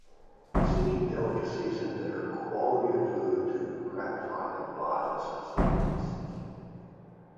Seeking delicacies and better "quality" of food to gratify the "vile sense of taste.